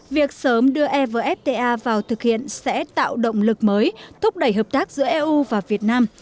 việc sớm đưa evfta vào thực hiện sẽ tạo động lực mới thúc đẩy hợp tác giữa eu và việt nam